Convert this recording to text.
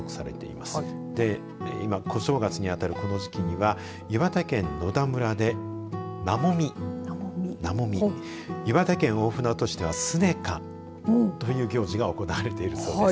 で、今、小正月に当たるこの時期には岩手県野田村でなもみ岩手県大船渡市ではスネカという行事が行われているそうです。